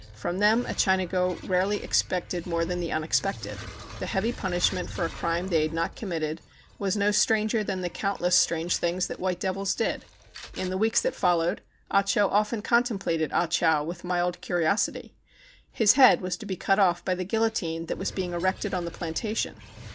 From them a Chinago rarely ex pected more than the unexpected. The heavy punishment for a crime they had not com mitted w^as no stranger than the countless strange things that white devils did. In the w^eeks that followed, Ah Cho often contem plated Ah Chow with mild curiosity. Kis head was to be cut off by the guillotine that was being erected on the plantation.